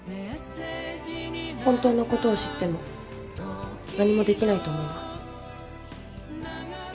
本当のことを知っても何もできないと思います。